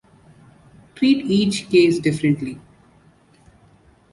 Treat each case differently.